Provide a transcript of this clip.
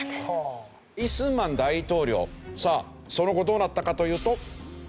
李承晩大統領その後どうなったかというと。